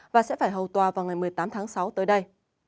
và sẽ phải hầu tòa vào ngày một mươi tám tháng sáu tới đây